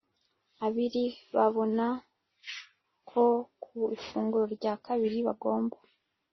abiri babona ko ku ifunguro rya kabiri bagomba